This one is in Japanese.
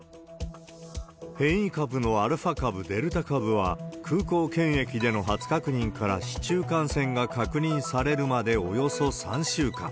変異株のアルファ株、デルタ株は、空港検疫での初確認から市中感染が確認されるまでおよそ３週間。